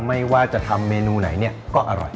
ไม่ว่าจะทำเมนูไหนเนี่ยก็อร่อย